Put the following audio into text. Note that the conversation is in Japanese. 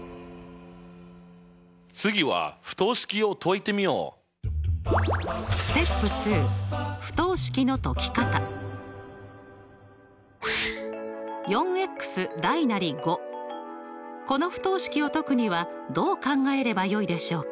次は不等式を解いてみようこの不等式を解くにはどう考えればよいでしょうか？